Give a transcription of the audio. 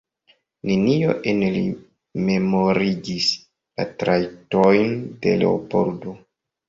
Nenio en li memorigis la trajtojn de Leopoldo.